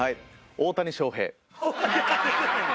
大谷翔平。